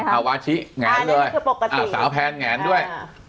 อาวาชิหิหงะดีเป็นว่าโดยสาวแผนหงะด้วย